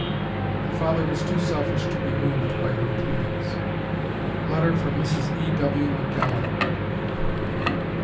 The father was too selfish to be moved by her pleadings. (Letter from Mrs. E. W. McDowell.)